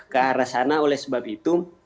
ke arah sana oleh sebab itu